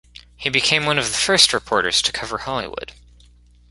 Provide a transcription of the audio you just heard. He became one of the first reporters to cover Hollywood.